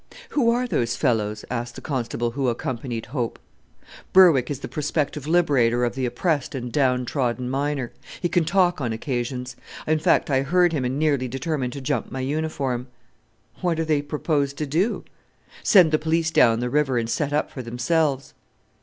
"Who are those fellows?" asked the Constable who accompanied Hope. "Berwick is the prospective liberator of the oppressed and down trodden miner. He can talk on occasions; in fact I heard him and nearly determined to jump my uniform." "What do they propose to do?" "Send the police down the river, and set up for themselves!"